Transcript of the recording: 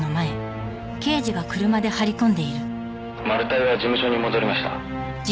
「マルタイは事務所に戻りました」